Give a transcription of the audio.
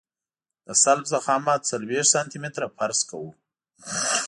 د سلب ضخامت څلوېښت سانتي متره فرض کوو